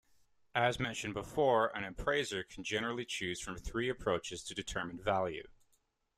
As mentioned before, an appraiser can generally choose from three approaches to determine value.